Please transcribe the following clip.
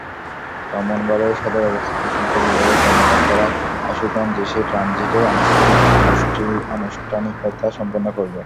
ব্রাহ্মণবাড়িয়ায় সদরে অবস্থিত শুল্ক বিভাগের কর্মকর্তারা আশুগঞ্জ এসে ট্রানজিটের আনুষ্ঠানিকতা সম্পন্ন করবেন।